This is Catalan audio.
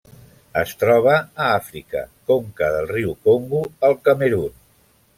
Es troba a Àfrica: conca del riu Congo al Camerun.